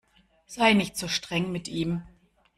Sei nicht so streng mit ihm!